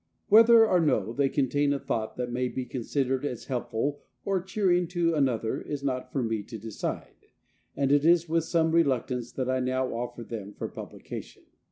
Whether or no they contain a thought that may be considered as helpful or cheering to another is not for me to decide, and it is with some reluctance that I now offer them for publication.